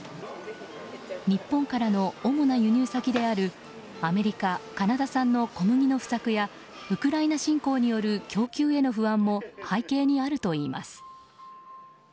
日本からの主な輸入先であるアメリカ、カナダ産の小麦の不作やウクライナ侵攻による供給への不安も背景にあるといいます。